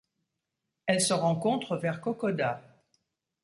Elle se rencontre vers Kokoda.